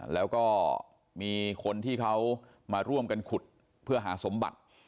แล้วก็มีคนที่เขามาร่วมกันขุดเพื่อหาสมบัติ